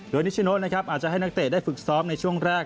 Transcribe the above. โดยนิชโนนะครับอาจจะให้นักเตะได้ฝึกซ้อมในช่วงแรก